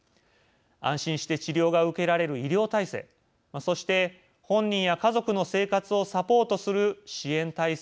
安心して治療が受けられる医療体制そして本人や家族の生活をサポートする支援体制の強化が不可欠です。